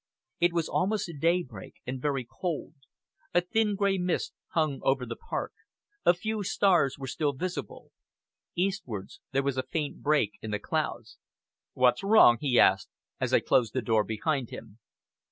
It was almost daybreak and very cold. A thin, grey mist hung over the park; a few stars were still visible. Eastwards, there was a faint break in the clouds. "What's wrong?" he asked, as I closed the door behind him.